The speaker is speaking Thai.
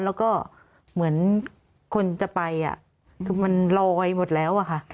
แล้วก็เหมือนคนจะไปคือมันลอยหมดแล้วอะค่ะ